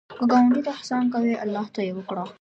که ګاونډي ته احسان کوې، الله ته یې وکړه